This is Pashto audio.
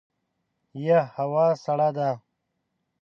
یه هوا سړه ده !